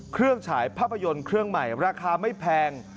ฉายภาพยนตร์เครื่องใหม่ราคาไม่แพง